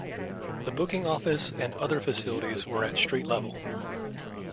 The booking office and other facilities were at street level.